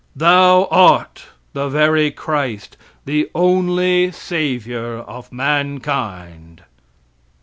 Thou art the very Christ, the only savior of mankind!